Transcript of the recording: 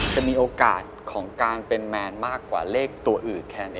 จะมีโอกาสของการเป็นแมนมากกว่าเลขตัวอื่นแค่นี้